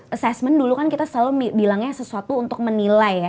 assessment dulu kan kita selalu bilangnya sesuatu untuk menilai ya